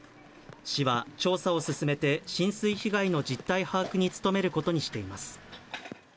市は調査を進めて、浸水被害の実態把握に努めることにしています。